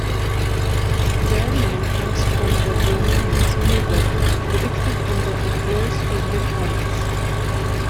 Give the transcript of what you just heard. Their name comes from the prominent beaver depicted on the obverse of the coins.